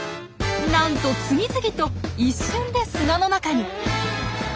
なんと次々と一瞬で砂の中に。